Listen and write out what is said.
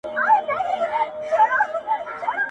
انسان بايد ځان وپېژني تل,